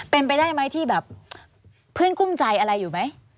เป็นไปได้ไหมที่แบบเพื่อนกุ้มใจอะไรอยู่ไหม